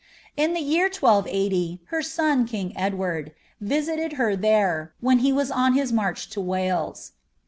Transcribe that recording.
In the year 1280, her son, king Edward, visited her there, hen he was on bis march to Wales.